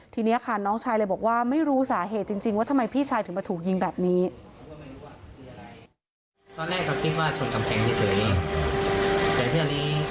ทีนี้ค่ะน้องชายเลยบอกว่าไม่รู้สาเหตุจริงว่าทำไมพี่ชายถึงมาถูกยิงแบบนี้